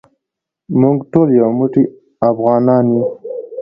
موږ ټول یو موټی افغانان یو.